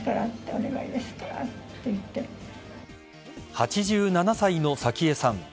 ８７歳の早紀江さん。